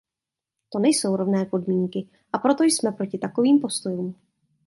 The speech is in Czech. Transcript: To nejsou rovné podmínky, a proto jsme proti takovým postojům.